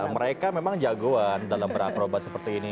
mereka memang jagoan dalam berakrobat seperti ini